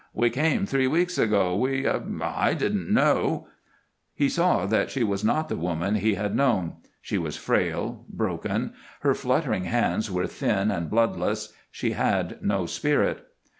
We came three weeks ago We I didn't know " He saw that she was not the woman he had known: she was frail, broken; her fluttering hands were thin and bloodless; she had no spirit.